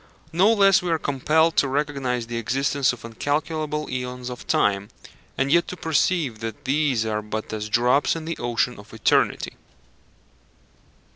No less are we compelled to recognize the existence of incalculable æons of time, and yet to perceive that these are but as drops in the ocean of eternity.